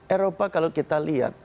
eropa kalau kita lihat